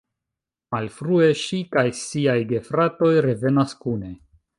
Malfrue, ŝi kaj siaj gefratoj revenas kune.